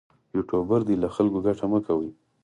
یوټوبر دې له خلکو ګټه مه کوي.